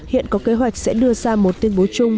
hiện có kế hoạch sẽ đưa ra một tuyên bố chung